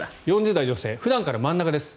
４０代女性普段から真ん中です。